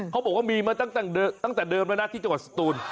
เค้าบอกทำให้มาตั้งแต่เดิมที่จักรสตูน